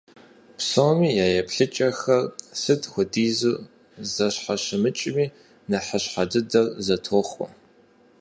Псоми я еплъыкӀэхэр, сыт хуэдизу зэщхьэщымыкӀми, нэхъыщхьэ дыдэр зэтохуэ.